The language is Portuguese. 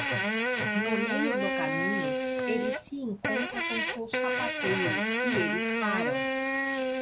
No meio do caminho, ele se encontra com seu sapateiro, e eles param.